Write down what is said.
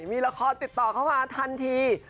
มีละครติดต่อเข้ามาทันที